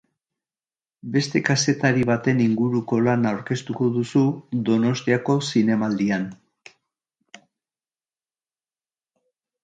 Beste kazetari baten inguruko lana aurkeztuko duzu Donostiako Zinemaldian.